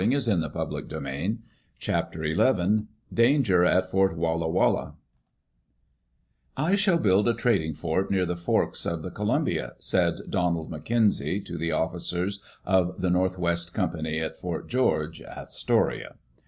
Digitized by CjOOQ IC CHAPTER XI DANGER AT FORT WALLA WALLA ••T SHALL build a trading fort near the Forks of the JL Columbia," said Donald McKenzie to the officers of the North West Company at Fort George (Astoria).